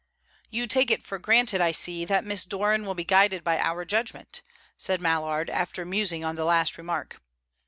"You take it for granted, I see, that Miss Doran will be guided by our judgment," said Mallard, after musing on the last remark.